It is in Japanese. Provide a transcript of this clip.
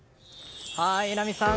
榎並さん